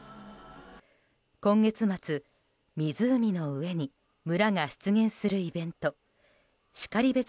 今月末、湖の上に村が出現するイベントしかりべつ